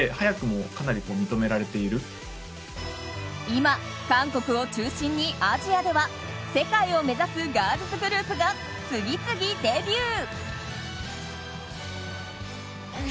今、韓国を中心にアジアでは世界を目指すガールズグループが次々デビュー。